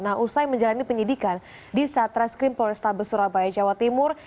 nah usai menjalani penyidikan di satreskrim polrestabes surabaya jawa timur